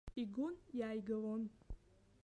Игон, иааигалон.